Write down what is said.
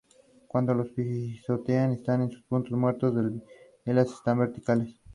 La atracción principal de la isla es su fauna.